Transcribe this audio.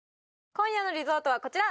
今夜のリゾートはこちら！